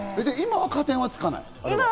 今は加点はつかない？